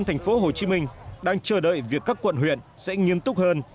thành phố hồ chí minh đang chờ đợi việc các quận huyện sẽ nghiêm túc hơn